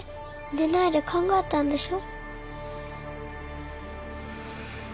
寝ないで考えたんでしょ？